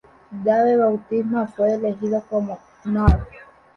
Dave Bautista fue elegido como Mr.